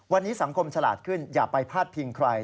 วันนี้สังคมฉลาดขึ้นอย่าไปพาดพิงใคร